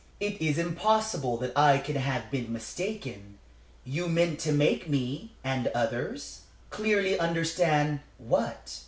It is impossible that I can have been mistaken. You meant to make me and others? clearly understand what?